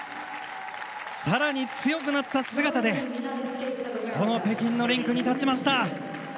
さらに強くなった姿でこの北京のリンクに立ちました。